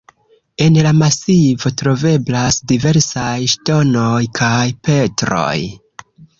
En la masivo troveblas diversaj ŝtonoj kaj petroj.